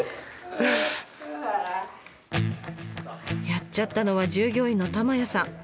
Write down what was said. やっちゃったのは従業員の玉舎さん。